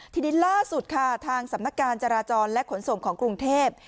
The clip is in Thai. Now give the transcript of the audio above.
ทีนี้ล่าสุดค่ะทางสำนักการจราจรและขนส่งของกรุงเทพ